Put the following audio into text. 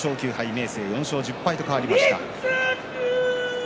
明生、４勝１０敗と変わりました。